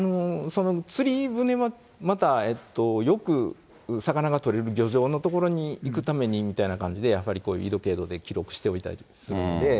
釣り船はまた、よく魚が取れる漁場の所に行くためにみたいな感じで、やはりこういう緯度、経度で記録しておいたりするので。